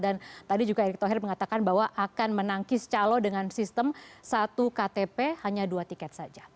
dan tadi juga erick thohir mengatakan bahwa akan menangkis calo dengan sistem satu ktp hanya dua tiket saja